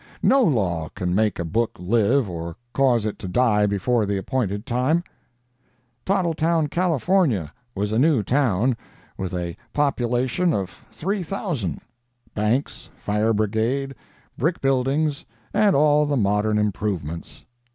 No law can make a book live or cause it to die before the appointed time. "Tottletown, Cal., was a new town, with a population[Pg 173] of three thousand—banks, fire brigade, brick buildings, and all the modern improvements.